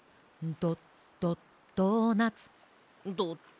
ドドドーナツ。